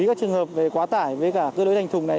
các trường hợp về quá tải và cơi nới thành thùng này